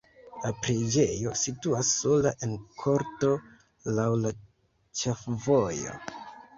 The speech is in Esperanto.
La preĝejo situas sola en korto laŭ la ĉefvojo.